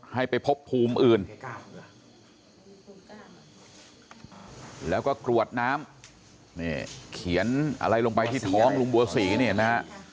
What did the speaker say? ให้ไปพบภูมิอื่นแล้วก็กรวดน้ำนี่เขียนอะไรลงไปที่ท้องลุงบัวศรีนี่เห็นไหมฮะ